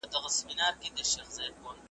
وزیران مي له خبري نه تیریږي .